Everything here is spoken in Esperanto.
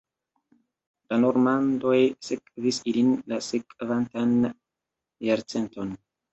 La normandoj sekvis ilin la sekvantan jarcenton.